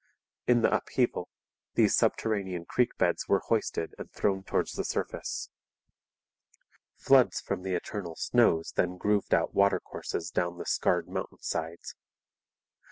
In the upheaval these subterranean creek beds were hoisted and thrown towards the surface. Floods from the eternal snows then grooved out watercourses down the scarred mountainsides.